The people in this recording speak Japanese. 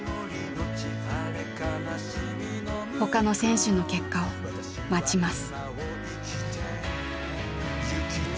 ほかの選手の結果を待ちます。